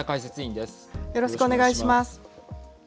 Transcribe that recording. よろしくお願いします。